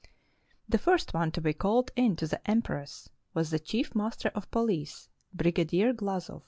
The first one to be called in to the empress was the chief master of police, Brigadier Glazov.